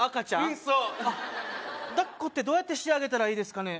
うんそうだっこってどうやってしてあげたらいいですかね